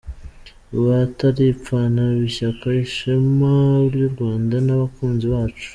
Bataripfana b’Ishyaka Ishema ry’u Rwanda n’abakunzi bacu